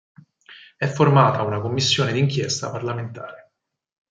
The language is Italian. È formata una commissione d’inchiesta parlamentare.